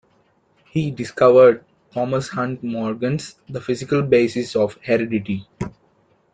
He discovered Thomas Hunt Morgan's The Physical Basis of Heredity.